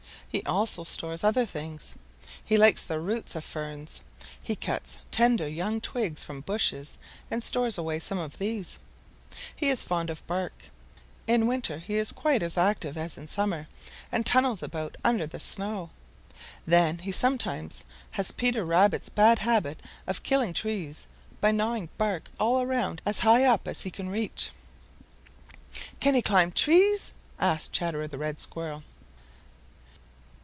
He also stores other things. He likes the roots of ferns. He cuts tender, young twigs from bushes and stores away some of these. He is fond of bark. In winter he is quite as active as in summer and tunnels about under the snow. Then he sometimes has Peter Rabbit's bad habit of killing trees by gnawing bark all around as high up as he can reach." "Can he climb trees?" asked Chatterer the Red Squirrel.